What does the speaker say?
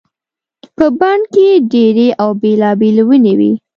په بڼ کې ډېرې او بېلابېلې ونې وي.